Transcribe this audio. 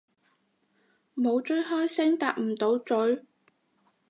冇追開星搭唔到咀